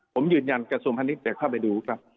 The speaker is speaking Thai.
ผมยืนยันกับสมภัณฑ์นี้เดี๋ยวเข้าไปดูครับ